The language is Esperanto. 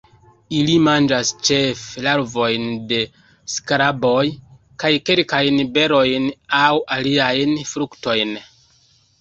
Ili manĝas ĉefe larvojn de skaraboj, kaj kelkajn berojn aŭ aliajn fruktojn.